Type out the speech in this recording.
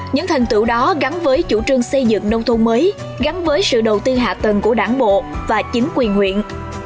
những thành tựu đó gắn với chủ trương xây dựng nông thôn mới gắn với sự đầu tư hạ tầng của đảng bộ và chính quyền huyện